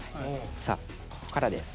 さあここからです。